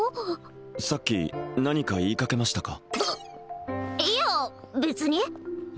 さっき何か言いかけましたか？